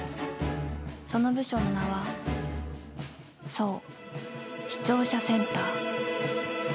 ［その部署の名はそう視聴者センター］